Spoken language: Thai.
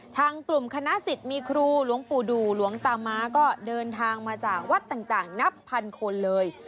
ทางกลุ่มคณะสิทธิ์มีครูหลวงปู่ดูหลวงตาม้าก็เดินทางมาจากวัดต่างนับพันคนเลย